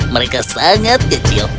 mereka sangat kecil